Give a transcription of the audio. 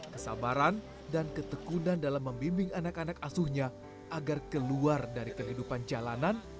kesabaran dan ketekunan dalam membimbing anak anak asuhnya agar keluar dari kehidupan jalanan